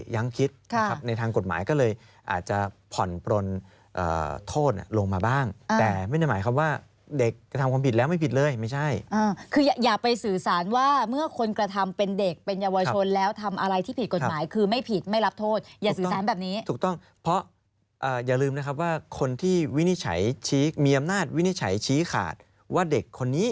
ยังคิดนะครับในทางกฎหมายก็เลยอาจจะผ่อนปลนโทษลงมาบ้างแต่ไม่ได้หมายความว่าเด็กกระทำความผิดแล้วไม่ผิดเลยไม่ใช่คืออย่าไปสื่อสารว่าเมื่อคนกระทำเป็นเด็กเป็นเยาวชนแล้วทำอะไรที่ผิดกฎหมายคือไม่ผิดไม่รับโทษอย่าสื่อสารแบบนี้ถูกต้องเพราะอย่าลืมนะครับว่าคนที่วินิจฉัยชี้มีอำนาจวินิจฉัยชี้ขาดว่าเด็กคนนี้